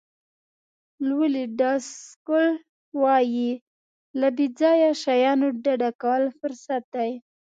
لولي ډاسکل وایي له بې ځایه شیانو ډډه کول فرصت دی.